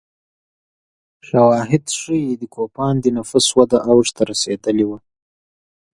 شواهد ښيي د کوپان د نفوس وده اوج ته رسېدلې وه